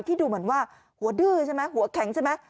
ดูเหมือนว่าหัวดื้อใช่ไหมหัวแข็งใช่ไหม